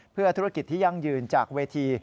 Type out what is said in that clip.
เพื่อธุรกิจที่ยั่งยืนจากเวที